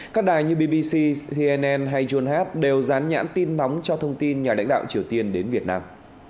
các đài như bbc cnn hay junhap đều rán nhãn tin nóng cho thông tin nhà đại đạo triều tiên đến việt nam